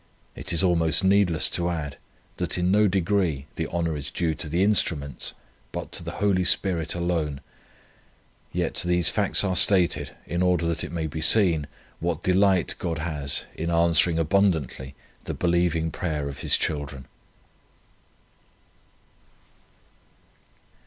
It is almost needless to add, that in no degree the honour is due to the instruments, but to the Holy Spirit alone; yet these facts are stated, in order that it may be seen, what delight God has in answering abundantly the believing prayer of His children."